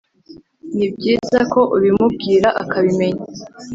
ni byiza ko ubimubwira, akabimenya,